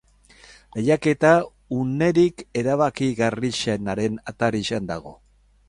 Lehiaketa unerik erabakigarrienaren atarian dago.